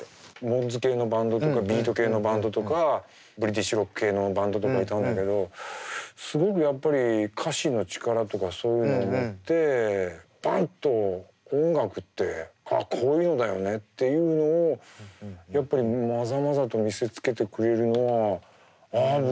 モッズ系のバンドとかビート系のバンドとかブリティッシュロック系のバンドとかいたんだけどすごくやっぱり歌詞の力とかそういうのを持ってバンと音楽ってああこういうのだよねっていうのをやっぱりまざまざと見せつけてくれるのはああ